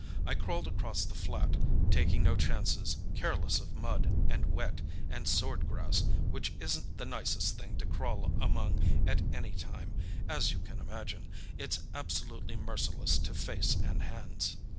I crawled across this flat, taking no chances, careless of mud, and wet, and sword grass, which isn't the nicest thing to crawl among at any time, as you can imagine; it's absolutely merciless to face and hands."